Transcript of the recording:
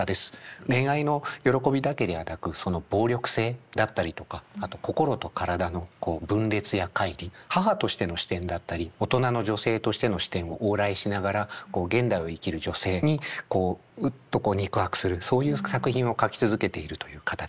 恋愛の喜びだけではなくその暴力性だったりとかあと心と体の分裂やかい離母としての視点だったり大人の女性としての視点を往来しながら現代を生きる女性にこうウッとこう肉薄するそういう作品を書き続けているという方ですね。